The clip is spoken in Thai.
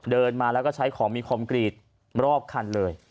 เดินมาแล้วก็ใช้ของมีคอมกรีตรอบคันเลย